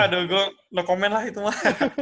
aduh gue lu komen lah itu mah